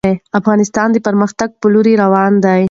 افغانستان د پرمختګ په لوري روان دی.